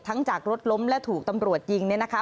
จากรถล้มและถูกตำรวจยิงเนี่ยนะคะ